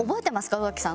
宇垣さん